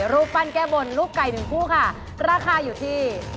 แล้วก็ไก่